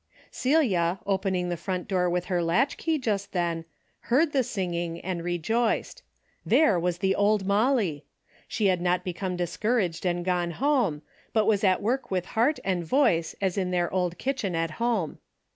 Celia, opening the front door with her latch key just then, heard the singing and rejoiced. There was the old Molly. She had not be come discouraged and gone home, but was at work with heart and voice as in their old kitchen at home.